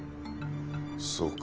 そうか。